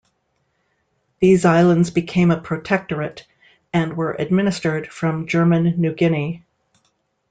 These islands became a protectorate and were administered from German New Guinea.